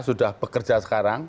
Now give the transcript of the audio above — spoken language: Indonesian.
sudah bekerja sekarang